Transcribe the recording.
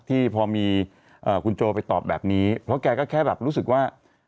ที่พอมีคุณโจไปตอบแบบนี้เพราะแกก็แค่แบบรู้สึกว่า